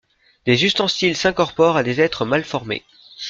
Des ustensiles s'incorporent à des êtres mal-formés.